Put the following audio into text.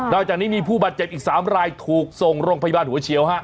จากนี้มีผู้บาดเจ็บอีก๓รายถูกส่งโรงพยาบาลหัวเชียวฮะ